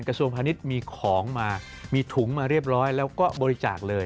กระทรวงพาณิชย์มีของมามีถุงมาเรียบร้อยแล้วก็บริจาคเลย